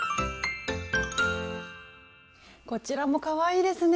こちらもかわいいですね！